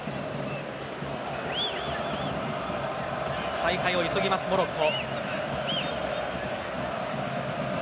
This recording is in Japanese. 再開を急ぎます、モロッコ。